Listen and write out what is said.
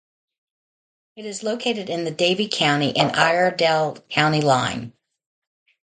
It is located on the Davie County and Iredell County line.